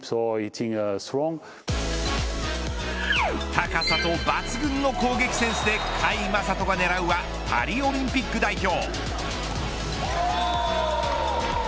高さと抜群の攻撃センスで甲斐優斗が狙うはパリオリンピック代表。